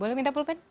boleh minta pulpen